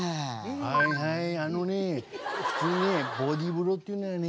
はいはいあのね普通ねボディーブローっていうのはね